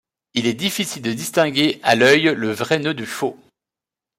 Il est difficile de distinguer à l'œil le vrai nœud du faux.